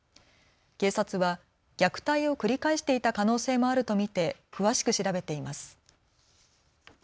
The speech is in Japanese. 警察は虐待を繰り返していた可能性もあると見て詳しく調べています。